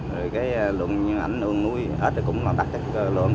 rồi cái lượng như anh nuôi ếch cũng là đặc trưng